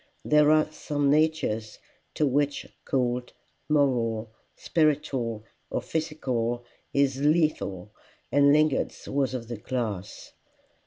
There are some natures to which cold, moral, spiritual, or physical, is lethal, and Lingard's was of the class.